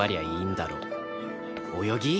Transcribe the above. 泳ぎ？